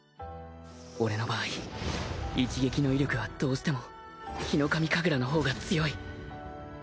俺の場合一撃の威力はどうしてもヒノカミ神楽の方が強い